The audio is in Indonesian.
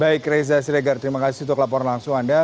baik reza siregar terima kasih untuk laporan langsung anda